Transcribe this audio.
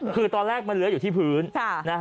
คือตอนแรกมันเลื้ออยู่ที่พื้น